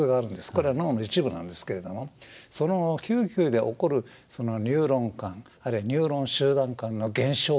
これは脳の一部なんですけれどもその嗅球で起こるニューロン間あるいはニューロン集団間の現象